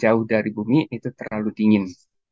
jauh dari bumi itu terlalu dingin